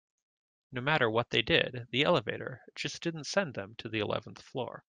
No matter what they did, the elevator just didn't send them to the eleventh floor.